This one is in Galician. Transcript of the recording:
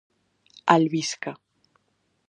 Albisca.